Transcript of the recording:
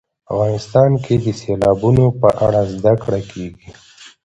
افغانستان کې د سیلابونه په اړه زده کړه کېږي.